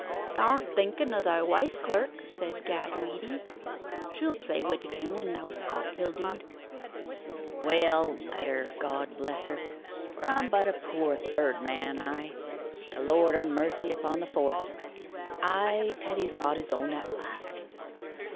'Thou'rt thinken o' thy wife, clerk,' said Gad Weedy. 'She'll play wi'it again when thou'st got mildewed.' 'Well let her, God bless her; for I'm but a poor third man, I. The Lord have mercy upon the fourth!... Ay, Teddy's got his own at last.